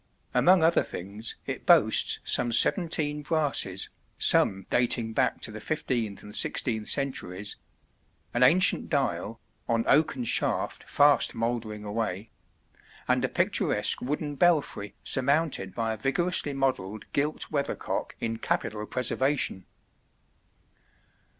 Among other things it boasts some seventeen brasses some dating back to the 15th and 16th centuries an ancient dial, on oaken shaft fast mouldering away and a picturesque wooden belfry surmounted by a vigorously modelled gilt weathercock in capital preservation. [Illustration: At Sevington.